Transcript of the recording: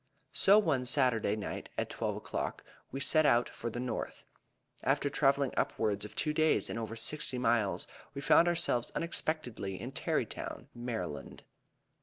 So one Saturday night, at twelve o'clock, we set out for the North. After traveling upwards of two days and over sixty miles, we found ourselves unexpectedly in Terrytown, Md.